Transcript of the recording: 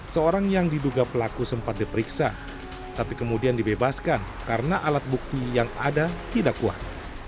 seorang yang diduga pelaku sempat diperiksa tapi kemudian dibebaskan karena alat bukti yang ada tidak kuat